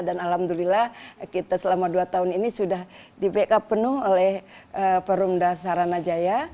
dan alhamdulillah kita selama dua tahun ini sudah di backup penuh oleh perumda saranajaya